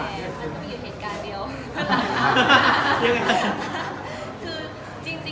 ในชีวิต